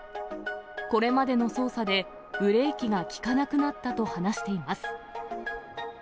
これまでの捜査で、ブレーキが利かなくなったと話しています。